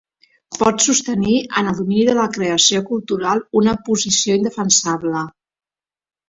Pot sostenir en el domini de la creació cultural una posició indefensable.